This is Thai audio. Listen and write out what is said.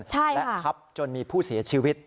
และทับจนมีผู้เสียชีวิต